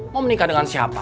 mau menikah dengan siapa